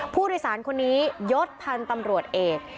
ผู้โดยสารคนนี้ยดพันธุ์ตำรวจเอก